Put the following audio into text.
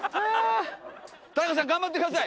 田中さん頑張ってください。